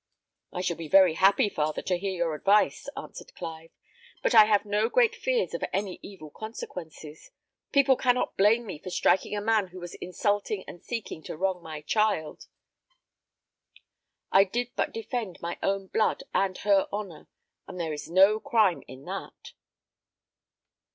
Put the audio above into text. "I shall be very happy, father, to hear your advice," answered Clive; "but I have no great fears of any evil consequences. People cannot blame me for striking a man who was insulting and seeking to wrong my child. I did but defend my own blood and her honour, and there is no crime in that."